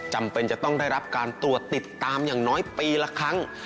จำเป็นจะต้องได้รับการตรวจติดตามอย่างน้อยปีละครั้ง